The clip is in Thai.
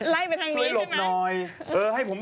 ไล่ไปทางนี้ใช่ไหมช่วยหลบหน่อย